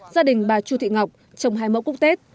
gia đình bà chu thị ngọc trồng hai mẫu cúc tết